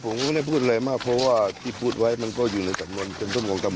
ผมคือไม่ได้พูดอะไรมากมายเพราะว่ามันอยู่ในสำนวนที่มันการไว้ละครับ